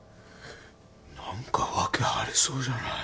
何か訳ありそうじゃない？